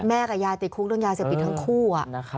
แม่กับย่าติดคุกต้องยาเสียปิดทั้งคู่